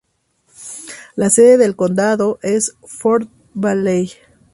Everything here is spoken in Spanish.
La sede del condado es Fort Valley.